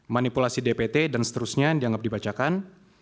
manipulasi dpt dan seterusnya dianggap dibacakan